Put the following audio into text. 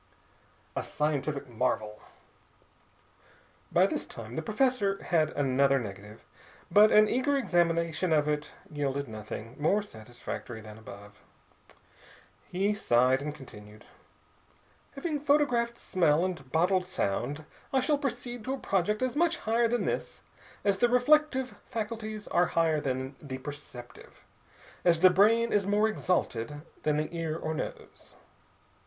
A SCIENTIFIC MARVEL By this time the professor had another negative, but an eager examination of it yielded nothing more satisfactory than before. He sighed and continued: "Having photographed smell and bottled sound, I shall proceed to a project as much higher than this as the reflective faculties are higher than the perceptive, as the brain is more exalted than the ear or nose.